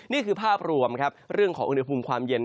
นี่คือภาพรวมครับเรื่องของอุณหภูมิความเย็น